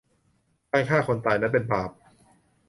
การฆ่าคนตายนั้น เป็นบาป